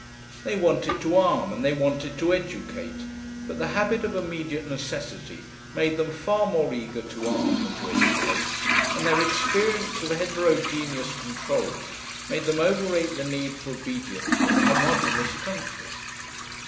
They wanted to arm and they wanted to educate, but the habit of immediate necessity made them far more eager to arm than to educate, and their experience of heterogeneous controls made them overrate the need for obedience in a homogeneous country.